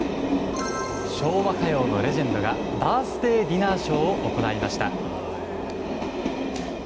昭和歌謡のレジェンドがバースデーディナーショーを行いました。